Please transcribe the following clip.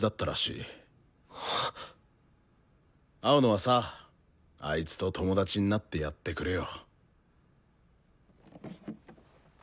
青野はさあいつと友達になってやってくれよ。